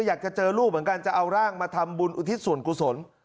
อยากจะเจอลูกเหมือนกันจะเอาร่างมาทำบุญอุทิศส่วนกุศล